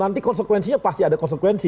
nanti konsekuensinya pasti ada konsekuensi